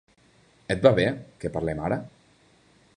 Et va bé, que parlem ara?